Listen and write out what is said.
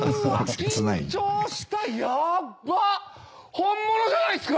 本物じゃないっすか。